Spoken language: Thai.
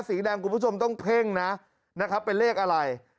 สีแดงคุณผู้ชมต้องเพ่งนะนะครับเป็นเลขอะไร